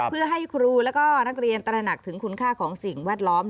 เพื่อให้ครูแล้วก็นักเรียนตระหนักถึงคุณค่าของสิ่งแวดล้อม